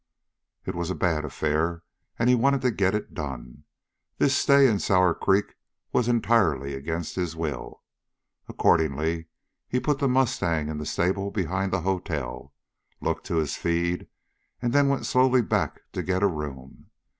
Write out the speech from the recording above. It was a bad affair, and he wanted to get it done. This stay in Sour Creek was entirely against his will. Accordingly he put the mustang in the stable behind the hotel, looked to his feed, and then went slowly back to get a room.